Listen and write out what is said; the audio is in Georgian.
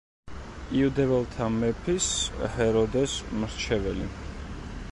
იუდეველთა მეფის ჰეროდეს მრჩეველი.